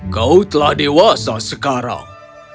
kau telah dewasa sekarang